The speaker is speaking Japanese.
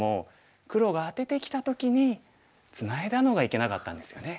黒がアテてきた時にツナいだのがいけなかったんですよね。